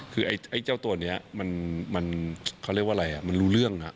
คือไอ้เจ้าตัวนี้มันเขาเรียกว่าอะไรอ่ะมันรู้เรื่อง